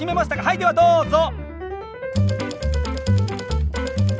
はいではどうぞ！